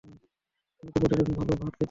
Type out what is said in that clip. তুমি তো প্রতিদিন ডাল ভাত খেতে পারবে না।